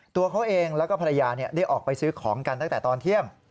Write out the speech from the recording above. ตัวเขาเองแล้วก็ภรรยาได้ออกไปซื้อของกันตั้งแต่ตอนเที่ยง